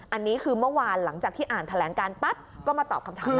อันนี้คือเมื่อวานหลังจากที่อ่านแถลงการปั๊บก็มาตอบคำถาม